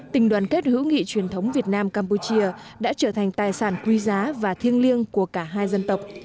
tình đoàn kết hữu nghị truyền thống việt nam campuchia đã trở thành tài sản quý giá và thiêng liêng của cả hai dân tộc